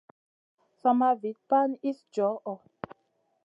Sama Vit pana iss djoho.